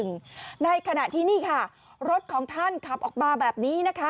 ในขณะที่นี่ค่ะรถของท่านขับออกมาแบบนี้นะคะ